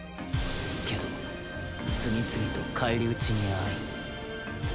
けど次々と返り討ちに遭い。